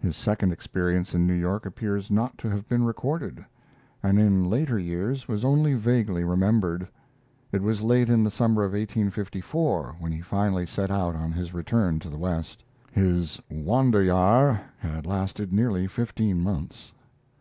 His second experience in New York appears not to have been recorded, and in later years was only vaguely remembered. It was late in the summer of 1854 when he finally set out on his return to the West. His 'Wanderjahr' had lasted nearly fifteen months.